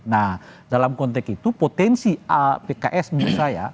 nah dalam konteks itu potensi a pks menurut saya